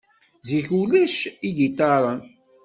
Zik ulac igiṭaren.